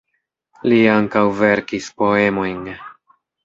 Li ankaŭ verkis poemojn.